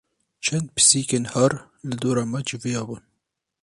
Çend pisîkên har li dora me civiyabûn.